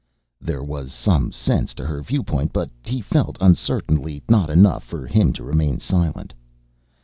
There was some sense to her viewpoint but, he felt uncertainly, not enough for him to remain silent.